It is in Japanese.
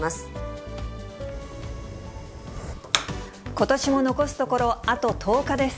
ことしも残すところ、あと１０日です。